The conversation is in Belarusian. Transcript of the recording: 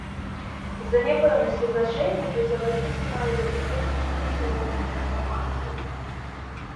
З-за няпэўнасці значэння, фразеалагізм мае вялікія магчымасці моўнай трансфармацыі.